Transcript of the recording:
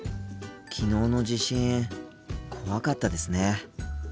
昨日の地震怖かったですね。